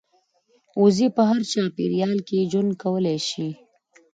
وزې په هر چاپېریال کې ژوند کولی شي